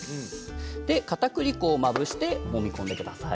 かたくり粉をまぶしてもみ込んでください。